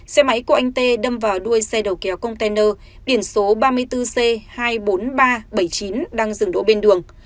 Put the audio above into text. xe máy của anh tê đâm vào đuôi xe đầu kéo container biển số ba mươi bốn c hai mươi bốn nghìn ba trăm bảy mươi chín đang dừng đỗ bên đường